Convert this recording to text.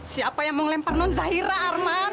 siapa yang mau lempar non zahira arman